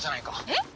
えっ？